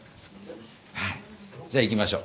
じゃあ行きましょう。